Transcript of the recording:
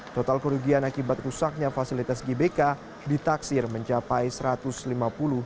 total kerugian akibat rusaknya fasilitas gbk ditaksir mencapai seratus miliar